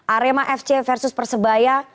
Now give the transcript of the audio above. arema fc versus persebaya